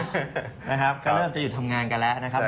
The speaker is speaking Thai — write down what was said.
ก็เริ่มจะหยุดทำงานกันแล้วนะครับ